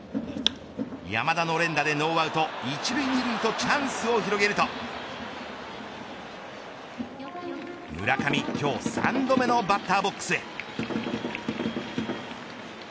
山田の連打でノーアウト１塁２塁とチャンスを広げると村上、今日３度目のバッターボックスへ。